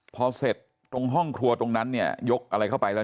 พอเสร็จตรงห้องครัวตรงนั้นเนี่ยยกอะไรเข้าไปแล้ว